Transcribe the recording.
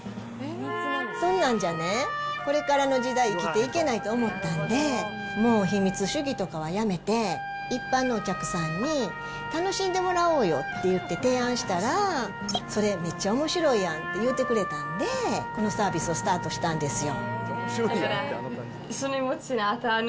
そんなんじゃね、これからの時代、生きていけないと思ったんで、もう、秘密主義とかはやめて、一般のお客さんに楽しんでもらおうよって言って提案したら、それ、めっちゃおもしろいやんって言ってくれたんで、このサービスをスタートしたんですよ。